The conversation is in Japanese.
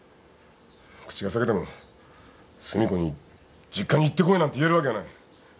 口が裂けても寿美子に「実家に行ってこい」なんて言えるわけがない。